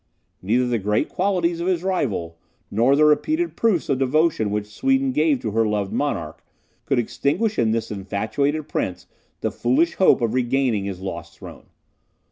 Neither the great qualities of his rival, nor the repeated proofs of devotion which Sweden gave to her loved monarch, could extinguish in this infatuated prince the foolish hope of regaining his lost throne.